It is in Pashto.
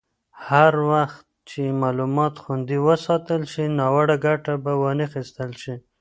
هر وخت چې معلومات خوندي وساتل شي، ناوړه ګټه به وانخیستل شي.